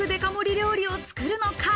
料理を作るのか？